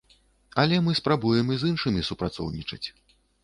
Але мы спрабуем і з іншымі супрацоўнічаць.